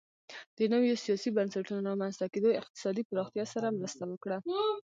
د نویو سیاسي بنسټونو رامنځته کېدو اقتصادي پراختیا سره مرسته وکړه